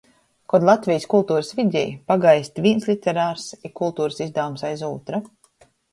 Kod Latvejis kulturys vidē pagaist vīns literars i kulturys izdavums aiz ūtra.